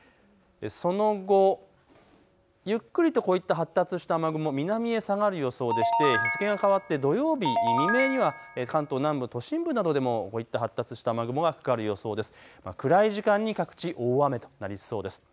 その後、ゆっくりと発達した雨雲、南へ下がる予想でして日付が変わって土曜日の未明には関東南部、都心部などでもこういった発達した雨雲がやすいです。